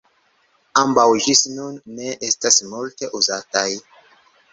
Ambaŭ ĝis nun ne estas multe uzataj.